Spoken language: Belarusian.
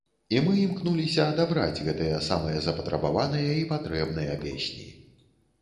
І мы імкнуліся адабраць гэтыя самыя запатрабаваныя і патрэбныя песні.